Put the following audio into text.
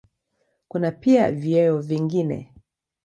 Kuna pia vyeo vingine.